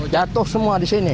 jatuh semua di sini